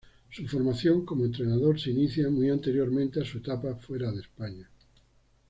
Su formación como entrenador se inicia muy anteriormente a su etapa fuera de España.